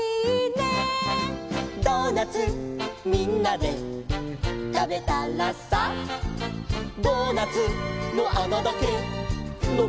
「ドーナツみんなでたべたらさ」「ドーナツのあなだけのこっちゃった」